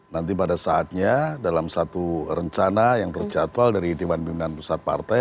nanti pada saatnya dalam satu rencana yang terjatual dari dewan pimpinan pusat partai